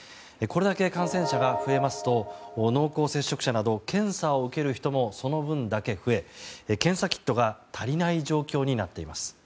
これだけ感染者が増えますと濃厚接触者など検査を受ける人もその分だけ増え、検査キットが足りない状況になっています。